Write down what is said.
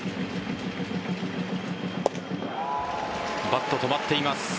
バット、止まっています。